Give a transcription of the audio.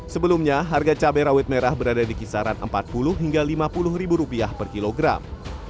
sebelumnya harga cabai rawit merah berada di kisaran rp empat puluh hingga rp lima puluh per kilogram